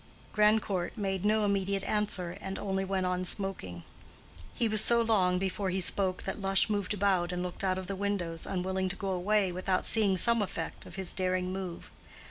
Grandcourt made no immediate answer, and only went on smoking. He was so long before he spoke that Lush moved about and looked out of the windows, unwilling to go away without seeing some effect of his daring move.